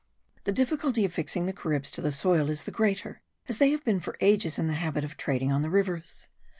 The difficulty of fixing the Caribs to the soil is the greater, as they have been for ages in the habit of trading on the rivers.